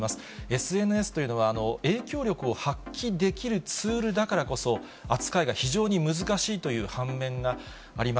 ＳＮＳというのは、影響力を発揮できるツールだからこそ、扱いが非常に難しいという反面があります。